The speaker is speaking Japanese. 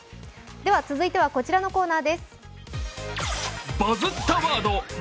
では続いてこちらのコーナーです。